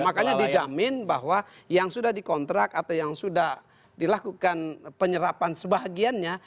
makanya dijamin bahwa yang sudah dikontrak atau yang sudah dilakukan penyerapan sebagiannya